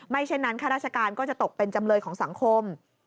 เช่นนั้นข้าราชการก็จะตกเป็นจำเลยของสังคม